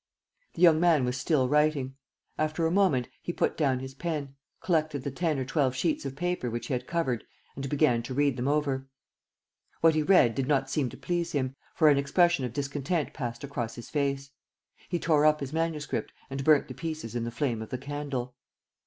The young man was still writing. After a moment, he put down his pen, collected the ten or twelve sheets of paper which he had covered and began to read them over. What he read did not seem to please him, for an expression of discontent passed across his face. He tore up his manuscript and burnt the pieces in the flame of the candle.